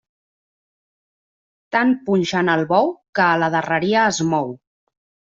Tant punxen al bou, que a la darreria es mou.